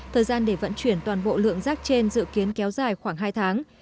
thời gian để vận chuyển toàn bộ lượng rác trên dự kiến kéo dài khoảng hai tháng